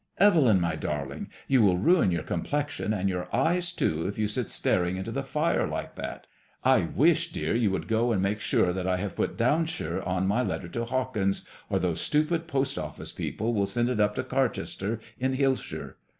Evelyn, my darling, you will ruin your complexion, and your eyes too, if you sit staring into the fire like that. I wish, dear, you would go and make sure that I have put Downshire on my letter to Hawkins, or those stupid post office people will send i 90 ICADBMOISXLIiB IXX. it up to Carchester^ in Hill shire."